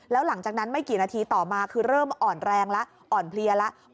แล้วหลังจากนั้นไม่กี่นาทีต่อมาคือเริ่มอ่อนแรงแล้วอ่อนเพลียแล้ว